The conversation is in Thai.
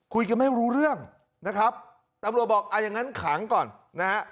คุยกันไม่รู้เรื่องนะครับตำรวจบอกอ่าอย่างงั้นขังก่อนนะฮะ